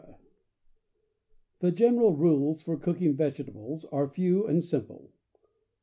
The general rules for cooking vegetables are few and simple.